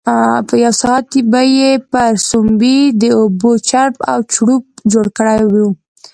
یو ساعت به یې پر سومبۍ د اوبو چړپ او چړوپ جوړ کړی وو.